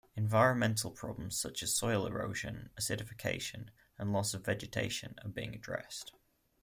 Environmental problems such as soil erosion, acidification, and loss of vegetation are being addressed.